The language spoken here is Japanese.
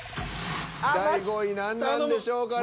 第５位何なんでしょうか。